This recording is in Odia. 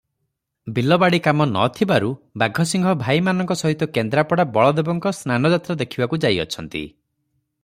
ବିଲବାଡ଼ି କାମ ନ ଥିବାରୁ ବାଘସିଂହ ଭାଇମାନଙ୍କ ସହିତ କେନ୍ଦ୍ରାପଡ଼ା ବଳଦେବଙ୍କ ସ୍ନାନ ଯାତ୍ରା ଦେଖିବାକୁ ଯାଇଅଛନ୍ତି ।